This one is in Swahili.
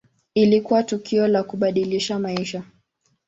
Ilikuwa tukio la kubadilisha maisha.